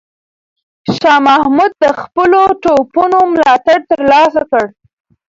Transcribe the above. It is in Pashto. شاه محمود د خپلو توپونو ملاتړ ترلاسه کړ.